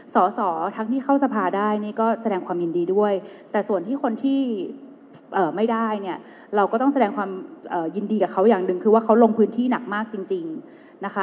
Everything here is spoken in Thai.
สอสอทั้งที่เข้าสภาได้นี่ก็แสดงความยินดีด้วยแต่ส่วนที่คนที่ไม่ได้เนี่ยเราก็ต้องแสดงความยินดีกับเขาอย่างหนึ่งคือว่าเขาลงพื้นที่หนักมากจริงนะคะ